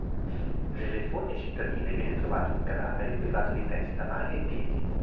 Nelle fogne cittadine viene trovato un cadavere privato di testa, mani e piedi.